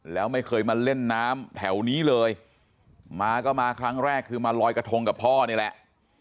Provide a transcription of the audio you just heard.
แล้วไม่เคยมาเล่นน้ำแถวนี้เลยมาก็มาครั้งแรกคือมาลอยกระทงกับพ่อนี่แหละ